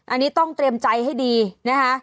อันนี้ต้องเตรียมใจให้ดีนะคะ